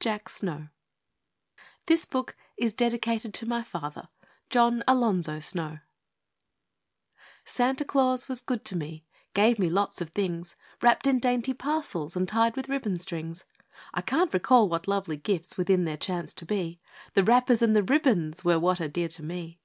JACK SNOW This book is dedicated to my Father John Alonzo Snow Santa Claus was good to me Gave me lots of things Wrapped in dainty parcels And tied with ribbon strings. I can't recall what lovely gifts Within there chanced to be The wrappers and the ribbons Were what are dear to me.